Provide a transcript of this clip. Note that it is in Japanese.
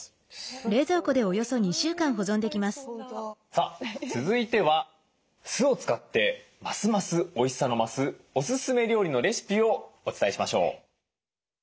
さあ続いては酢を使ってますますおいしさの増すおすすめ料理のレシピをお伝えしましょう。